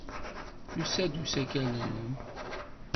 Yusa-d usakal-nnem.